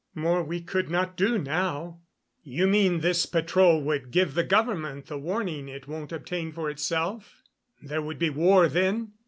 More we could not do now." "You mean this patrol would give the government the warning it won't obtain for itself? There would be war then?